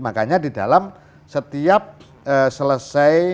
makanya di dalam setiap selesai